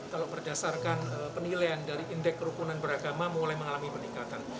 kalau berdasarkan penilaian dari indeks kerukunan beragama mulai mengalami peningkatan